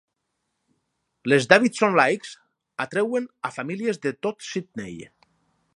Les "Davidson Lights" atreuen a famílies de tot Sydney.